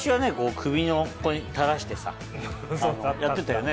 首のここに垂らしてさやってたよね？